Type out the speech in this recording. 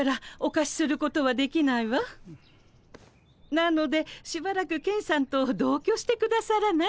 なのでしばらくケンさんと同居してくださらない？